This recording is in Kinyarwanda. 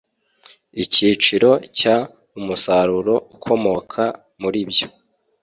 Icyiciro cya Umusaruro ukomoka muribyo